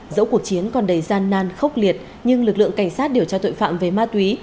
dẫu cuộc chiến còn đầy gian nan khốc liệt nhưng lực lượng cảnh sát điều tra tội phạm về ma túy